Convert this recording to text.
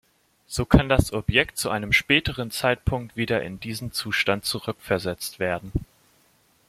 So kann das Objekt zu einem späteren Zeitpunkt wieder in diesen Zustand zurückversetzt werden.